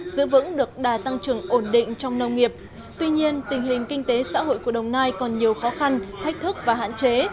giữ vững được đà tăng trưởng ổn định trong nông nghiệp tuy nhiên tình hình kinh tế xã hội của đồng nai còn nhiều khó khăn thách thức và hạn chế